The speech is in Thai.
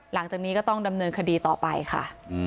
หลังจากนี้ก็ต้องดำเนินคดีต่อไปค่ะ